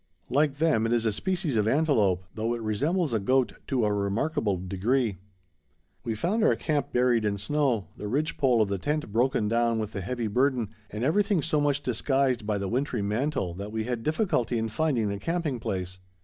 Like them it is a species of antelope, though it resembles a goat to a remarkable degree. We found our camp buried in snow, the ridge pole of the tent broken down with the heavy burden, and everything so much disguised by the wintry mantle that we had difficulty in finding the camping place.